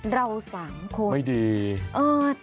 เราสามคน